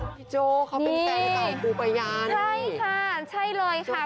พี่โจเค้าเป็นแฟนสาวปูประยาเนี่ยใช่ค่ะใช่เลยค่ะ